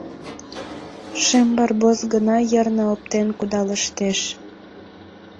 Шем Барбос гына йырна оптен кудалыштеш.